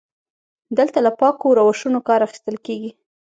دلته له پاکو روشونو کار اخیستل کیږي.